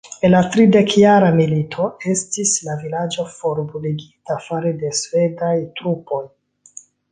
En la Tridekjara Milito estis la vilaĝo forbruligita fare de svedaj trupoj.